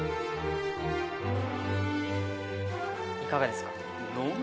いかがですか？